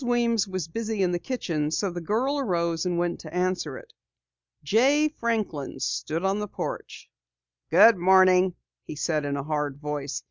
Weems was busy in the kitchen so the girl arose and went to answer it. Jay Franklin stood on the porch. "Good morning," he said in a hard voice.